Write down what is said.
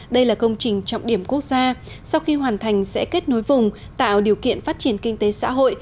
đây là công trình trọng điểm quốc gia sau khi hoàn thành sẽ kết nối vùng tạo điều kiện phát triển kinh tế xã hội